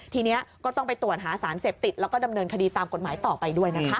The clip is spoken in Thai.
ทีนี้ก็ต้องไปตรวจหาสารเสพติดแล้วก็ดำเนินคดีตามกฎหมายต่อไปด้วยนะคะ